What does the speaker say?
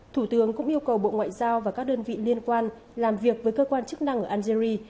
thủ tướng cũng yêu cầu bộ ngoại giao và các đơn vị liên quan làm việc với cơ quan chức năng ở algeria